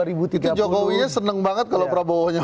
itu jokowi nya seneng banget kalau prabowo nya